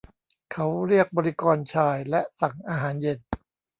เขาเรียกบริกรชายและสั่งอาหารเย็น